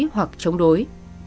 hoặc chống đối